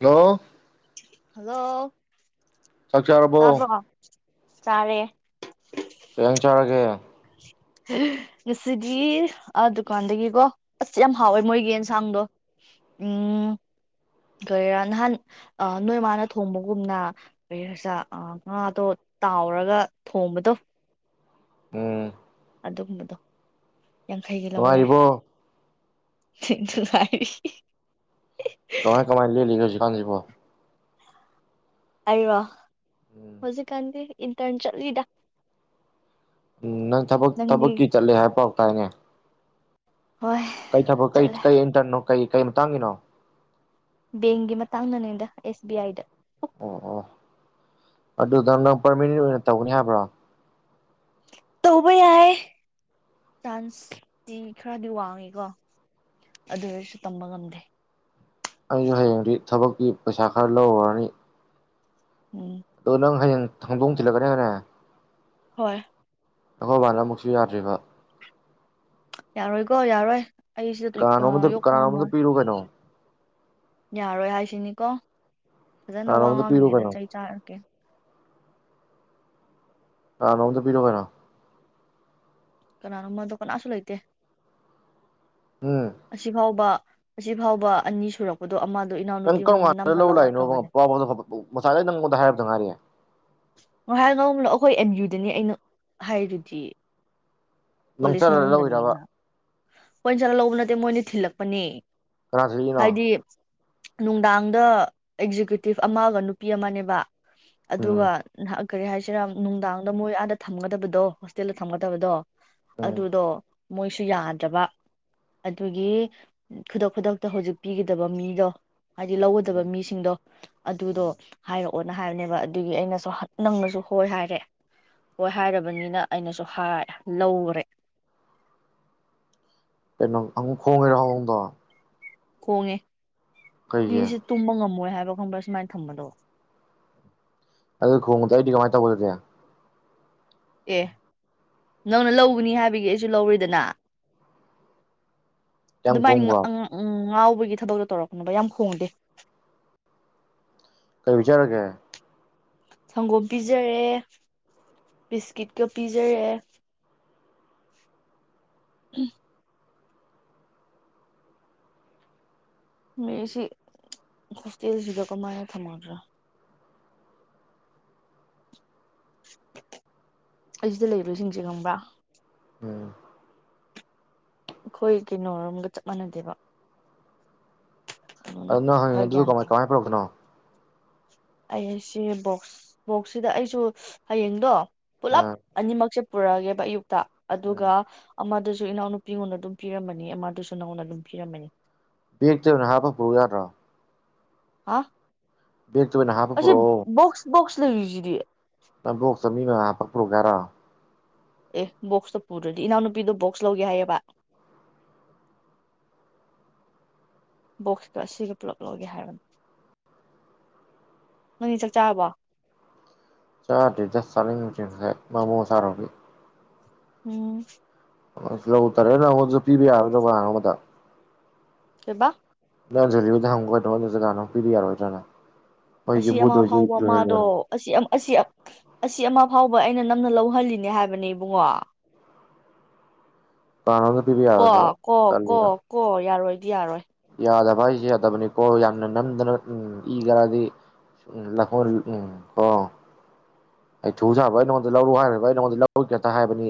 ꯍ꯭ꯂꯣ hello ꯆꯥꯛ ꯆꯥꯔꯕꯣ ꯇꯥꯕ꯭ꯔꯣ ꯆꯥꯔꯦ꯫ [unintelligible] ꯉꯁꯤꯗꯤ ꯑ ꯗꯨꯀꯥꯟꯗꯒꯤꯀꯣ ꯑꯁ ꯌꯥꯝ ꯍꯥꯎꯋꯦ ꯃꯣꯏꯒꯤ ꯑꯦꯟꯁꯥꯡꯗꯣ ꯎꯝ ꯀꯩꯔꯥ ꯅꯍꯥꯟ ꯑꯥ ꯅꯣꯏ ꯃꯥꯅ ꯊꯣꯡꯕꯒꯨꯝꯅ ꯀꯩꯍꯥꯏꯁꯤꯔꯥ ꯑꯥ ꯉꯥꯗꯣ ꯇꯥꯎꯔꯒ ꯊꯣꯡꯕꯗꯣ꯫ ꯎꯝ꯫ ꯑꯗꯨꯒꯨꯝꯕꯗꯣ꯫ ꯌꯥꯡꯈꯩꯒꯤ ꯂꯧꯔꯦ꯫ ꯅꯨꯡꯉꯥꯏꯔꯤꯕꯣ ꯅꯨꯉꯥꯏꯔꯤ꯫ ꯀꯃꯥꯏ ꯀꯃꯥꯏ [unintelligible] ꯑꯩ ꯔꯣ? ꯎꯝ ꯍꯨꯖꯤꯛꯀꯥꯟꯗꯤ ꯏꯟꯇꯔꯟ ꯆꯠꯂꯤꯗ ꯎꯝ ꯅꯪ ꯊꯕꯛ ꯅꯪꯗꯤ ꯊꯕꯛꯀꯤ ꯆꯠꯂꯦ ꯍꯥꯏ ꯄꯥꯎ ꯇꯌꯦꯅꯦ꯫ ꯍꯣꯏ ꯀꯩ ꯊꯕꯛ ꯀꯩ ꯆꯠꯂꯦ - ꯀꯩ ꯏꯟꯇꯔꯟꯅꯣ? ꯀꯩ - ꯀꯩ ꯃꯇꯥꯡꯒꯤꯅꯣ? ꯕꯦꯡꯒꯤ ꯃꯇꯥꯡꯗꯅꯦꯗ ꯑꯦꯁ ꯕꯤ ꯑꯥꯏ ꯗ꯫ ꯑꯣ - ꯑꯣ ꯑꯗꯨꯗ ꯅꯪ ꯄꯔꯃꯤꯅꯦꯟ ꯑꯣꯏꯅ ꯇꯧꯒꯅꯤ ꯍꯥꯏꯕ꯭ꯔꯣ? ꯇꯧꯕ ꯌꯥꯏ ꯆꯥꯟꯁꯇꯤ ꯈꯔꯗꯤ ꯋꯥꯡꯉꯤꯀꯣ ꯑꯗꯨꯑꯣꯏꯔꯥꯁꯨ ꯇꯝꯕ ꯉꯝꯗꯦ꯫ ꯑꯩꯖꯨ ꯍꯌꯦꯡꯗꯤ ꯊꯕꯛꯀꯤ ꯄꯩꯁꯥ ꯈꯔ ꯂꯧꯔꯔꯅꯤ꯫ ꯎꯝ꯫ ꯑꯗꯣ ꯅꯪ ꯍꯌꯦꯡ ꯍꯪꯗꯣꯡ ꯊꯤꯜꯂꯛꯀꯅꯤ ꯍꯥꯏꯅꯦ꯫ ꯍꯣꯏ꯫ ꯑꯩꯈꯣꯏꯕꯥꯅ ꯑꯃꯨꯛꯁꯨ ꯌꯥꯗ꯭ꯔꯤꯕ꯫ ꯌꯥꯔꯣꯏꯀꯣ ꯌꯥꯔꯣꯏ! ꯑꯩꯁꯤꯗ ꯀꯥꯅꯥꯅꯣꯝꯃꯗ ꯌꯣꯛꯄ ꯀꯥꯅꯥ ꯅꯣꯝꯗ ꯉꯝꯃꯣꯏ ꯄꯤꯔꯣ ꯀꯩꯅꯣ꯫ ꯌꯥꯔꯣꯏ ꯍꯥꯏꯁꯤꯅꯤꯀꯣ! ꯐꯖꯅ ꯋꯥ ꯀꯅꯥꯅꯣꯝꯗ ꯄꯤꯔꯨ ꯉꯥꯡꯂꯤꯉꯩꯗ ꯀꯩꯅꯣ ꯆꯩ ꯆꯥꯔꯛꯀꯦ꯫ ꯀꯥꯅꯥꯅꯣꯝꯗ ꯄꯤꯔꯣ ꯀꯩꯅꯣ ꯀꯅꯥꯅꯣꯃ ꯀꯅꯥꯁꯨ ꯂꯩꯇꯦ ꯎꯝ ꯑꯁꯤꯐꯥꯎꯕ ꯑꯁꯤ ꯐꯥꯎꯕ ꯑꯅꯤ ꯁꯨꯔꯛꯄꯗꯣ ꯑꯃ ꯅꯪ ꯀꯔꯝ ꯀꯥꯟꯗ ꯂꯧ ꯂꯥꯛꯏꯅꯣ ꯃꯁꯥꯗꯩ ꯅꯪꯉꯣꯟꯗ ꯍꯥꯏꯔꯔꯕꯗ ꯉꯥꯏꯔꯤꯦ ꯉꯍꯥꯛ ꯅꯂ ꯑꯩꯈꯣꯏ ꯑꯦꯝ ꯌꯨꯗꯅꯤ ꯑꯩꯅ ꯍꯥꯏꯔꯨꯗꯤ ꯅꯪꯆꯠꯂꯒ ꯂꯧꯏꯔꯕ ꯀꯣꯏ ꯆꯥꯛ ꯂꯧꯕ ꯅꯠꯇꯦ ꯃꯣꯏꯅ ꯊꯤꯜꯂꯛꯄꯅꯦ ꯍꯥꯏꯗꯤ [unintelligible] ꯅꯨꯡꯗꯥꯡꯗ ꯑꯦꯛꯖꯤꯀ꯭ꯌꯨꯇꯤꯞ ꯑꯃꯒ ꯅꯨꯄꯤ ꯑꯃꯅꯦꯕ ꯎꯝ ꯑꯗꯨꯒ ꯀꯔꯤ ꯍꯥꯏꯁꯤꯔꯥ ꯅꯨꯡꯗꯥꯡꯗ ꯃꯣꯏ ꯑꯥꯗ ꯊꯝꯒꯗꯕꯗꯣ ꯍꯣꯁꯇꯦꯜꯗ ꯊꯝꯒꯗꯕꯗꯣ ꯎꯝ ꯑꯗꯨꯗꯣ ꯃꯣꯏꯁꯨ ꯌꯥꯗ꯭ꯔꯕ ꯑꯗꯨꯒꯤ ꯈꯨꯗꯛ ꯈꯨꯗꯛꯇ ꯍꯧꯖꯤꯛ ꯄꯤꯒꯗꯕ ꯃꯤꯗꯣ ꯍꯥꯏꯗꯤ ꯂꯧꯒꯗꯕ ꯎꯝ ꯃꯤꯁꯤꯡꯗꯣ ꯑꯗꯨꯗꯣ ꯎꯝ ꯍꯥꯏꯔꯛꯑꯣ ꯑꯣꯠꯅ ꯍꯥꯏꯕꯅꯦꯕ ꯑꯗꯨꯒꯤ ꯑꯩꯅꯁꯨ ꯅꯪꯅꯁꯨ ꯍꯣꯏ ꯍꯥꯏꯔꯦ ꯍꯣꯏ ꯍꯥꯏꯔꯕꯅꯤꯅ ꯑꯩꯅꯁꯨ ꯍꯥꯏꯔꯦ ꯅꯧꯔꯦ ꯀꯩꯅꯣ ꯈꯣꯡꯉꯔ ꯍꯣꯡꯉꯗ ꯀꯣꯡꯉꯦ ꯃꯤꯁ ꯇꯨꯃ ꯉꯃ ꯃꯣꯏ ꯍꯥꯏꯕ ꯈꯪꯕ꯭ꯔꯥ ꯁꯨꯃꯥꯏꯅ ꯊꯝꯕꯗꯣ ꯑꯗꯨ ꯈꯗ ꯀꯃꯥꯏ ꯇꯧꯕꯥ ꯑꯗꯨꯗꯤ ꯑꯦ ꯅꯪꯅ ꯂꯧꯕꯅꯤ ꯍꯥꯏꯕꯒꯤ ꯑꯩꯁꯨ ꯂꯧꯔꯤꯗꯅ ꯌꯥꯝ ꯑꯗꯨꯃꯥꯏꯅ ꯈꯣꯡꯕ꯭ꯔꯣ ꯎꯝ ꯉꯥꯎ [unintelligible] ꯌꯥꯝ ꯍꯣꯡꯗꯦ ꯀꯩ ꯆꯔꯒꯦ ꯁꯪꯒꯣꯝ ꯄꯤꯖꯔꯦ ꯕꯤꯁꯀꯤꯠꯀ ꯄꯤꯖꯔꯦ ꯃꯦꯁꯤ ꯍꯁꯇꯁꯤꯗ ꯀꯃꯥꯌꯥ ꯊ ꯃꯥꯗ꯭ꯔꯥ ꯑꯩꯁꯤꯗ ꯂꯩꯔꯤꯕꯕꯁꯤꯡꯁꯦ ꯉꯪꯕ꯭ꯔꯥ ꯎꯝ ꯑꯩꯈꯣꯏ ꯀꯩꯅꯣꯔꯣꯝꯒ ꯆꯞ ꯃꯥꯟꯅꯗꯦꯕ ꯑꯗꯨꯅ ꯑꯗꯨ ꯅꯪ ꯈꯔ ꯍꯪꯉ ꯑꯗꯨ ꯒ꯭ꯌꯥꯟ ꯇꯥ ꯀꯃꯥꯏ ꯀꯃꯥꯏ ꯄꯨꯧꯔꯛꯄꯅꯣ ꯑꯩ ꯁꯤ ꯕꯣꯛꯁ ꯕꯣꯛꯁꯁꯤꯗ ꯑꯩꯁꯨ ꯍꯌꯦꯡꯗꯣ ꯄꯨꯂꯞ ꯎꯝ ꯑ ꯃꯁ ꯄꯨꯔꯛꯑꯒꯦꯛ ꯇ ꯑꯗꯨꯒ ꯎꯝ ꯑꯃꯗꯨꯁꯨ ꯁꯨ ꯏꯅꯥꯎꯅ ꯅꯨꯄꯤꯉꯣꯟꯗ ꯑꯗꯨꯝ ꯄꯤꯔꯝꯃꯅꯤ ꯑꯃꯃꯥꯗꯨꯁꯨ ꯅꯅꯥꯎꯣꯟꯅ ꯑꯗꯨꯝ ꯄꯤꯔꯝꯃꯅꯤ ꯕꯦꯒꯛꯇ ꯑꯣꯏꯅ ꯍꯥꯞꯄ ꯄꯨꯔꯛꯎ ꯌꯥꯗ꯭ꯔꯥꯣ ꯍꯥ ꯑꯣꯏꯅ ꯍꯥꯞꯄ ꯑꯩꯁ ꯄꯨꯔꯛꯑꯣ ꯕꯣꯛꯁ ꯕꯣꯛꯁ ꯂꯩꯖꯔꯤ ꯎꯒꯔꯥ ꯑꯦ ꯕꯣꯛꯁꯇꯣ ꯄꯨꯔꯗꯤ ꯏꯅꯥꯎꯅꯨꯄꯤꯗꯣ ꯕꯣꯛꯁ ꯂꯧꯒꯦ ꯍꯥꯏꯌꯦꯕ ꯕꯣꯛꯁꯀ ꯑꯁꯤꯒ ꯄꯨꯂꯞ ꯂꯧꯒꯦ ꯍꯥꯏꯕꯅꯤ ꯅꯪꯅꯤ ꯆꯥꯛ ꯆꯥꯔꯕꯣ ꯆꯗꯤ ꯗꯁ ꯆꯇ ꯃꯃꯣ ꯆꯥꯔꯣꯒꯤ ꯎꯝ ꯁꯂꯣ ꯎꯇꯔꯦꯁꯨ ꯄꯕꯤ ꯌꯥꯔ ꯃꯊ ꯀꯕ ꯅꯪ ꯂꯤꯗ ꯍꯪꯉꯗ ꯖꯒꯥꯣ ꯄꯤꯗꯤ ꯌꯥꯔꯣꯏꯗ꯭ꯔꯅ ꯍꯣꯏ ꯑꯁꯤ ꯑꯃ ꯌꯨꯝꯕꯨꯗ ꯑꯣꯏꯁꯨ ꯐꯥꯎꯕ ꯃꯥꯗꯣ ꯂꯣꯏꯍꯜꯂꯣꯅ ꯑꯁꯤ ꯑꯁꯤ ꯑꯁꯤ ꯑꯃ ꯐꯥꯎꯕ ꯑꯩꯅ ꯅꯝꯅ ꯂꯧꯍꯜꯂꯤꯅꯦ ꯍꯥꯏꯕꯅꯦ ꯏꯕꯨꯡꯉꯣ ꯄ꯭ꯂꯥꯟ ꯑꯝꯇ ꯄꯤꯕ ꯀꯣ ꯌꯥꯔꯣꯏꯗ꯭ꯔꯣ ꯀꯣ ꯀꯣ ꯇꯜꯂꯤꯗ ꯀꯣ ꯌꯥꯔꯣꯏ ꯌꯥꯔꯣꯏ ꯌꯥꯗꯕ ꯍꯥꯏꯁꯨꯦ ꯌꯥꯗꯕꯅꯤꯀꯣ ꯌꯥꯝꯅ ꯅꯝꯗꯅ ꯎꯝ ꯏꯈꯔꯗꯤ ꯎꯝ ꯀꯣ ꯑꯩ ꯊꯨ ꯁꯥꯕ ꯑꯩꯉꯣꯟꯗ ꯂꯧꯔꯨ ꯍꯥꯏꯈ꯭ꯔꯔꯤꯕ ꯑꯩ ꯅꯉꯣꯟꯗ ꯂꯧꯔꯨꯩꯇ ꯍꯥꯏꯕꯅꯤ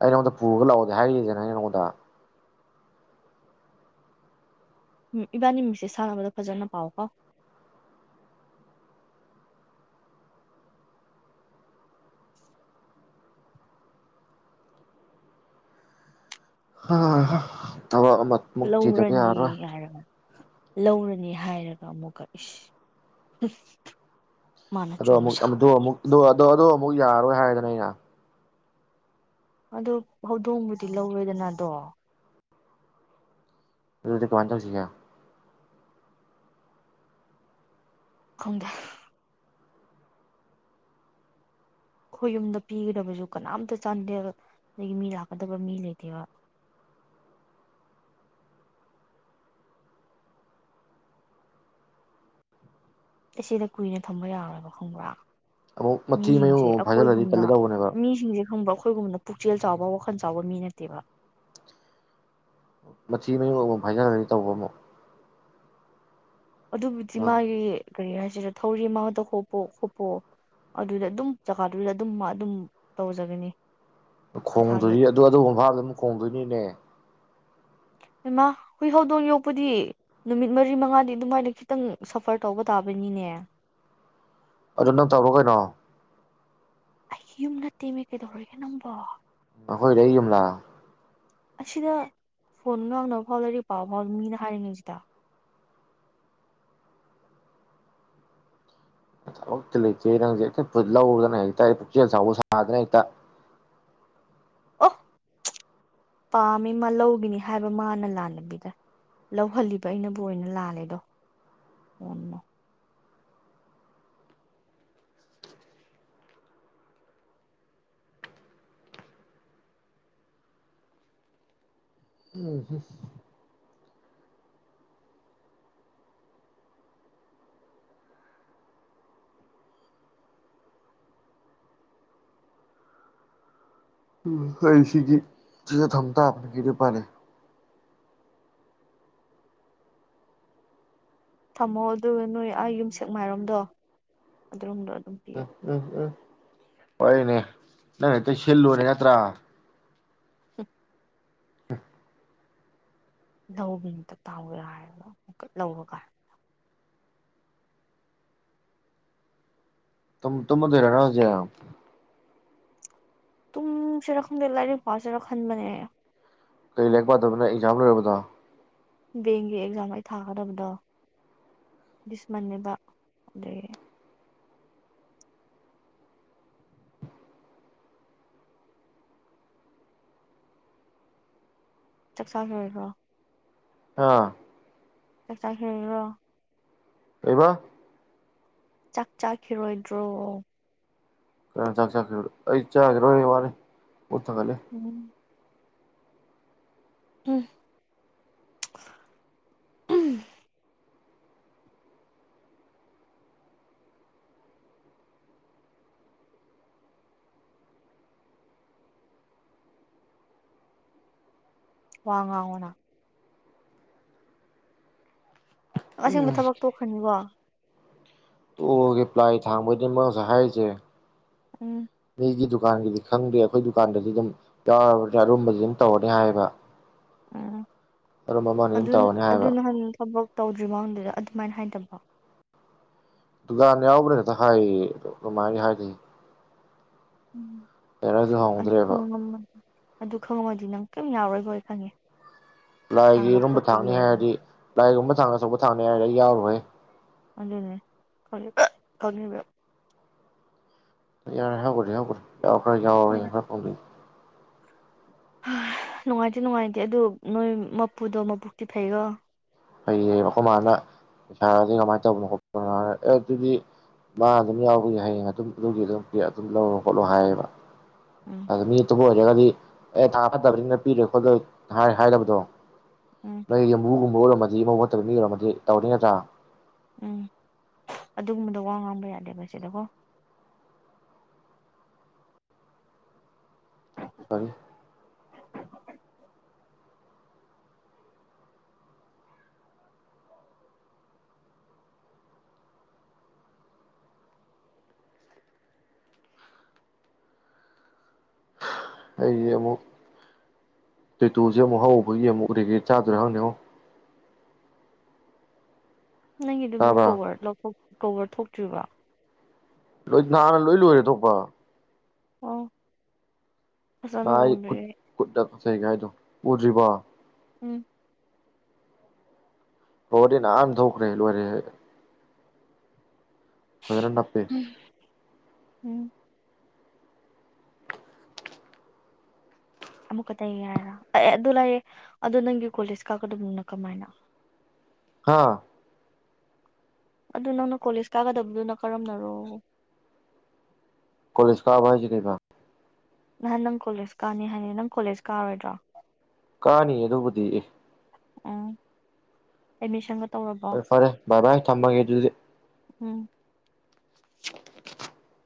ꯑꯩ ꯅꯉꯣꯟꯗ ꯄꯨꯔꯒ ꯂꯥꯛꯑꯣꯗꯦ ꯍꯥꯏꯔꯤꯁꯤꯦꯅꯪ ꯑꯩꯉꯣꯟꯗ ꯏꯕꯥꯅꯤ ꯃꯤꯃꯤꯡꯁꯦ ꯁꯥꯟꯅꯕꯗ ꯐꯖꯅ ꯄꯥꯎ ꯀꯣ ꯍ ꯑꯕ ꯑꯃ ꯃꯨꯛꯇꯤꯗꯒꯦ ꯂꯧꯔꯅꯤ ꯌꯥꯔ ꯍꯥꯏꯔꯒ ꯂꯧꯔꯅꯤ ꯍꯥꯏꯔꯒ ꯑꯃꯨꯛ ꯀꯛꯏꯁ ꯑꯗꯣ ꯑꯃ ꯑꯃ ꯑꯗꯨ ꯑꯗꯨ ꯍ ꯌꯥꯔ ꯑꯣꯏ ꯍꯥꯏꯗꯅ ꯌꯥ ꯑꯗꯨ ꯍꯧꯗꯣꯡꯕꯨꯗꯤ ꯂꯧꯔꯦꯗꯅꯗꯣ ꯑꯗꯨ ꯗꯨꯀꯥꯟ ꯇꯧꯁꯤꯒ ꯈꯪꯗꯦ ꯑꯩꯣꯏꯌꯨꯝꯗ ꯄꯤꯒꯗꯕꯁꯨ ꯀꯅꯥꯝꯇ ꯆꯥꯟꯗꯦꯜ ꯑꯗꯒꯤ ꯃꯤ ꯂꯥꯛꯀꯗꯕ ꯃꯤ ꯂꯩꯇꯦꯕ ꯑꯦ ꯁꯤꯗ ꯀꯨꯏꯅ ꯊꯝꯕ ꯌꯥꯔꯣꯏꯕ ꯈꯪꯕ꯭ꯔꯥ ꯑꯃꯛ ꯃꯊꯤ ꯃꯌꯨ ꯃꯤꯁꯤꯡꯁꯦ ꯐꯥꯏꯖꯜꯂꯗꯤ ꯑꯩꯈꯣꯏꯒꯨꯝꯅ ꯇꯂꯦꯗꯎꯅꯦꯕ ꯃꯤꯁꯤꯡꯁꯦ ꯈꯪꯕ ꯑꯩꯈꯣꯏꯒꯨꯝꯕꯅ ꯄꯨꯛꯆꯦꯜ ꯆꯥꯎꯕ ꯋꯥꯈꯜ ꯆꯥꯎꯕ ꯃꯤ ꯅꯠꯇꯦꯕ ꯃꯊꯤ ꯃꯌꯨꯕ ꯍꯥꯏꯖꯔꯒꯗꯤ ꯇꯧꯕ ꯑꯃꯨꯛ ꯑꯗꯨꯕꯨꯗꯤ ꯃꯥꯒꯤ ꯀꯔꯤ ꯍꯥꯏꯁꯤꯗ ꯊꯧꯔꯤ ꯃꯥꯗ ꯈꯣꯄ ꯈꯣꯄꯣ ꯑꯗꯨꯗ ꯑꯗꯨꯝ ꯖꯒꯥꯗꯨꯗ ꯑꯗꯨꯝ ꯃꯥ ꯑꯗꯨꯝ ꯇꯧꯖꯒꯅꯤ ꯃꯁꯥꯒꯤ ꯈꯣꯡꯗꯣꯏꯅꯤ ꯑꯗꯨ ꯑꯗꯨꯒ ꯃꯐꯝꯗꯨꯛ ꯈꯣꯡꯗꯣꯏꯅꯤꯅꯦ ꯏꯃꯥ ꯍꯨꯏ ꯍꯧꯗꯣꯡ ꯌꯣꯛꯄꯨꯗꯤ ꯅꯨꯃꯤꯠ ꯃꯔꯤ ꯃꯉꯥꯗꯤ ꯑꯗꯨꯃꯥꯏꯅ ꯈꯤꯇꯪ ꯁꯐꯔ ꯇꯧꯕ ꯇꯥꯕꯅꯤꯅꯦ ꯑꯗꯨ ꯅꯪ ꯇꯧꯕ ꯀꯩꯅꯣ ꯑꯩꯒꯤ ꯌꯨꯝ ꯅꯠꯇꯦꯃꯦ ꯀꯩꯗꯧꯔꯒꯦ ꯅꯪꯝꯕꯣ ꯈꯣꯏ ꯂꯩꯦ ꯑꯅ ꯑꯁꯤꯗ ꯐꯣꯟ ꯉꯥꯡꯅꯕ ꯐꯥꯎ ꯂꯩꯔꯤ ꯄꯥꯎ ꯐꯥꯎ ꯃꯤꯅ ꯍꯥꯏꯔꯤꯉꯁꯤꯗ ꯂꯩ ꯅꯪꯦ ꯄꯨꯂꯗꯅ ꯆꯅ ꯑ ꯑꯣ ꯄꯥꯝꯃꯤ ꯃꯥ ꯂꯧꯈꯤꯅꯤ ꯍꯥꯏꯕ ꯃꯥꯅ ꯂꯥꯜꯂꯕꯤꯗ ꯂꯧꯍꯜꯂꯤꯕ ꯑꯩꯅꯕꯨ ꯑꯣꯏꯅ ꯂꯥꯜꯂꯦꯗꯣ ꯑꯣ ꯎꯝ ꯍꯝ ꯀꯩꯁꯤꯒꯤ ꯁꯤ ꯊꯝꯕꯊꯅ ꯀꯗꯤ ꯄꯂꯦ ꯊꯝꯃꯣ ꯑꯗꯨꯒ ꯅꯣꯏ ꯑꯩ ꯌꯨꯝ ꯁꯦꯛ ꯃꯥꯏꯔꯣꯝꯗꯣ ꯑꯗꯨꯔꯣꯝꯗꯣ ꯑꯗꯨꯝ ꯄꯤꯌꯣ ꯎꯝ ꯎꯝ ꯎꯝ ꯍꯣꯏꯅꯦ ꯅ ꯁꯤꯜꯂꯨꯅꯤ ꯌꯥꯇ꯭ꯔ [unintelligible] ꯑ ꯂꯇ ꯇꯥꯎꯋꯦ ꯍꯥꯏꯔꯒꯨ ꯂꯧꯔꯒ ꯇ ꯇꯨꯃꯗꯔꯅꯥꯖꯦ ꯇꯨꯡꯁꯤꯔ ꯈꯪꯗꯦ ꯂꯥꯏꯔꯤꯛ ꯄꯁꯤꯦꯔ ꯈꯟꯕꯅꯦ ꯀꯩ ꯂꯥꯏꯔꯤꯛ ꯄꯥꯗꯕꯅ ꯑꯦꯛꯖꯥꯝ ꯂꯣꯏꯔꯕꯗꯣ ꯕꯦꯡꯒꯤ ꯑꯦꯛꯖꯥꯝ ꯑꯩ ꯊꯥꯒꯗꯕꯗꯣ ꯂꯤꯁꯃꯟꯅꯦꯕ ꯑꯗꯒꯤ ꯆꯥꯛ ꯆꯥꯔꯔꯕ꯭ꯔꯣ ꯑꯥ ꯆꯥꯛ ꯆꯥꯈꯨꯔꯣ ꯑꯩꯕ ꯆꯥꯛ ꯆꯥꯈꯤꯔꯣꯏꯗ꯭ꯔꯣ ꯀ ꯆ ꯆ ꯑꯩ ꯆꯥꯈ꯭ꯔꯣ ꯋꯥꯅꯤ ꯄꯨꯊꯒꯂꯦ ꯎꯝ ꯎꯝ ꯎꯝ ꯋꯥꯉꯑꯣꯅꯥ ꯑꯁꯦꯡꯕ ꯊꯕꯛ ꯇꯣꯛꯈ꯭ꯔꯅꯤꯀꯣ ꯎꯒꯦ ꯄ꯭ꯂ ꯊꯥꯡꯕꯩꯗꯤ ꯃꯥꯁꯦ ꯍꯥꯏꯔꯤꯁꯦ ꯎꯝ ꯃꯤꯒꯤ ꯗꯨꯀꯥꯟꯒꯤꯗꯤ ꯈꯪꯗꯦ ꯑꯩꯈꯣꯏ ꯗꯨꯀꯥꯟꯗꯗꯤ ꯑꯗꯨꯝ ꯌꯥꯎꯔꯕ ꯑꯔꯨꯝꯁ ꯑꯗꯨꯝ ꯇꯧꯔꯅꯤ ꯍꯥꯏꯌꯦꯕ ꯎꯝ ꯑꯔꯨꯝꯕ ꯑꯃꯅꯤ ꯑꯗꯨꯝ ꯑꯗꯨ ꯇꯧꯔꯅꯤ ꯍꯥꯏꯌꯦꯕ ꯑꯗꯨꯅꯍꯥꯟ ꯊꯕꯛ ꯇꯧꯗ꯭ꯔꯤ ꯃꯃꯥꯡꯗꯨꯗ ꯑꯗꯨꯃꯥꯏꯅ ꯍꯥꯏꯗꯕꯣ ꯗꯨꯀꯥꯟꯗ ꯌꯥꯎꯕ꯭ꯔꯥ ꯉꯦꯇ ꯍꯥꯏꯌꯦ ꯀꯃꯥꯏꯅ ꯍꯥꯏꯒ ꯎꯝ ꯑꯦꯔꯁꯨ ꯍ ꯑꯗꯨ ꯍꯧꯗ꯭ꯔꯦꯕ ꯈꯪꯉꯝꯃ ꯑꯗꯨ ꯈꯪꯉꯉꯗꯤ ꯅꯪ ꯀꯔꯤꯝ ꯌꯥꯎꯔꯣꯏꯕꯣꯏ ꯈꯪꯉꯦ ꯂꯥꯏꯒꯤ ꯊꯥꯡꯕ ꯏꯔꯨꯝꯕ ꯈꯣꯠꯄꯒꯤ ꯊꯥꯛꯅꯤ ꯑꯣꯏꯔꯗꯤ ꯍꯥꯏꯔꯗꯤ ꯂꯥꯏꯒꯨꯝꯕ ꯊꯥꯡꯅ ꯑꯆꯧꯕ ꯊꯥꯡꯅꯦ ꯍꯥꯏꯔ ꯑꯩ ꯌꯥꯎꯔꯣꯏ ꯑꯗꯨꯅꯦ ꯌꯥꯔꯦ ꯍꯥꯏꯒꯔ ꯍꯧꯒ ꯌꯥꯎꯈ꯭ꯔꯦ ꯌꯥꯎꯈ꯭ꯔꯦ ꯍꯣꯏ ꯌꯥꯈ꯭ꯔꯦ ꯐꯪꯗꯩ ꯅꯨꯡꯉꯥꯏꯇꯦ ꯅꯨꯡꯉꯥꯏꯇꯦ ꯑꯗꯨ ꯅꯣꯏ ꯃꯄꯨꯗꯣ ꯃꯕꯨꯛꯇꯤ ꯐꯩꯔꯣ ꯐꯩꯌꯦꯕꯀ ꯃꯥꯅ ꯄꯩꯁꯥꯔꯗꯤ ꯀꯃꯥꯏꯅ ꯇꯧꯕꯅꯣ ꯈꯣꯠꯄꯅꯣ ꯑꯦ ꯑꯗꯨꯗꯤ ꯃꯥ ꯑꯗꯨꯝ ꯌꯥꯎꯕꯒꯤ ꯍꯌꯦꯡ ꯑꯗꯨꯝ ꯑꯗꯨꯒꯤ ꯑꯗꯨꯝ ꯑꯗꯨꯝ ꯂꯧꯔꯣ ꯈꯣꯠꯂꯣ ꯍꯥꯏꯌꯦꯕ ꯎꯝ ꯑꯗ ꯃꯤꯠꯇꯕꯨꯣꯖꯒꯥꯗꯤ ꯑꯦ ꯊꯥ ꯐꯠꯇꯕꯅꯤꯅ ꯄꯤꯔꯣꯏ ꯈꯣꯠꯂꯣꯏ ꯍꯥꯏꯔꯕꯗꯣ ꯎꯝ ꯌꯥꯝꯕꯨꯒꯨꯝ ꯍ ꯑꯗꯨ ꯃꯧ ꯐꯠꯇ ꯃꯤ ꯑꯣꯏꯔꯝꯃꯗꯤ ꯇꯧꯔꯅꯤ ꯅꯠꯇ꯭ꯔꯥ ꯎꯝ ꯑꯗꯨꯒꯨꯝꯕꯗꯣ ꯋꯥ ꯉꯥꯡꯕ ꯌꯥꯗꯦꯕ ꯁꯤꯗꯀꯣ ꯁꯔꯤ ꯑꯩꯁꯦ ꯑꯃꯨꯛ ꯇꯦꯇꯨꯁꯦ ꯑꯃꯨꯛ ꯍꯧꯕꯒꯤ ꯑꯃꯨꯛ ꯎꯔꯦꯒꯦ ꯆꯥꯗ꯭ꯔꯥ ꯍꯪꯅꯤꯉꯣ ꯅꯪꯒꯤꯗꯨꯕꯨꯛ ꯇꯥꯕ꯭ꯔꯥ ꯀꯣꯔ ꯂꯧꯊꯣꯛꯄꯤ ꯀꯣꯕꯔ ꯊꯣꯛꯇ꯭ꯔꯤꯕ꯭ꯔ ꯂꯣꯏ ꯅꯍꯥꯟꯅ ꯂꯣꯏ ꯂꯣꯏꯔꯦ ꯊꯣꯛꯄ ꯑꯣ ꯐꯖꯅ ꯅꯥꯏ ꯈꯨ ꯎꯗ꯭ꯔꯦ ꯈꯨꯠ ꯆꯩ ꯀꯥꯏꯗꯣ ꯎꯗ꯭ꯔꯤꯕ ꯎꯝ ꯍ ꯋꯥꯔꯤꯗꯤꯅ ꯑꯅ ꯊꯣꯛꯧꯛ ꯔꯂ ꯑꯔꯦ ꯄꯅ ꯑꯄꯦ ꯎꯝ ꯎꯝ ꯑꯃꯨꯛ ꯈꯛꯇ ꯍꯥꯏꯔ ꯑꯦ ꯑꯗꯨ ꯂꯥꯛꯑꯦ ꯑꯗꯨꯗ ꯅꯪꯒꯤ ꯀꯣ ꯂꯤꯁ ꯀꯥꯀꯗꯕꯅ ꯀꯃꯥꯏꯅ ꯍꯥꯥ ꯑꯗꯨ ꯅꯪꯅ ꯀꯣꯂꯦꯖ ꯀꯥꯒꯗꯕꯗꯨꯅ ꯀꯔꯝꯅꯔꯣ ꯀꯣꯂꯦꯖ ꯀꯥꯕ ꯍꯥꯏꯁꯤꯦ ꯀꯩꯕ ꯅꯍꯥꯟ ꯅꯪ ꯀꯣꯂꯦꯖ ꯀꯥꯅꯤ ꯍꯥꯏꯅꯤ ꯅꯪ ꯀꯣꯂꯦꯖ ꯀꯥꯔꯣꯏꯗ꯭ꯔꯣ ꯀꯥꯅꯤ ꯑꯗꯨꯕꯨꯗꯤ ꯑ ꯎꯝ ꯑꯦꯃꯤꯁꯣꯟ ꯍꯔꯦ ꯐꯔꯦ ꯚꯏ ꯕꯥꯏ ꯊꯝꯃꯒꯦ ꯑꯗꯨꯗꯤ꯫ ꯎꯝ [unintelligible]